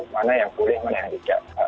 mana yang boleh mana yang tidak